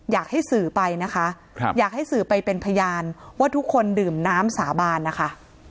อยากให้สื่อไปนะคะอยากให้สื่อไปเป็นพยานว่าทุกคนดื่มน้ำสาบานนะคะ